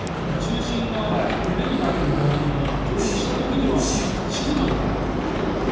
中心が目になっている場合には上陸した時には静かだってこと。